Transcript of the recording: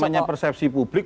namanya persepsi publik